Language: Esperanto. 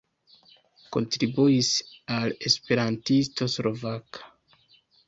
Kontribuis al Esperantisto Slovaka.